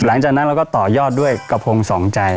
หลังจากนั้นเราก็ต่อยอดด้วยกระพงสองใจ